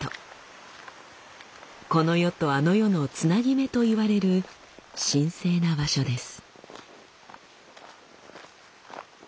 この世とあの世のつなぎ目といわれる神聖な場所です。